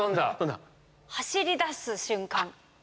走りだす瞬間。